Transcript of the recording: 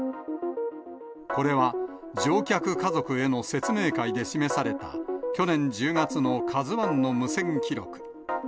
これは、乗客家族への説明会で示された、去年１０月のカズワンの無線記録。